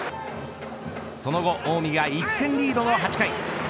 その後、近江が１点リードの８回。